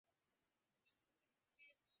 কেউই সেটা বলবে না!